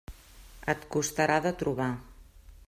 Et costarà de trobar.